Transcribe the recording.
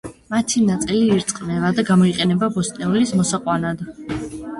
მათი ნაწილი ირწყვება და გამოიყენება ბოსტნეულის მოსაყვანად.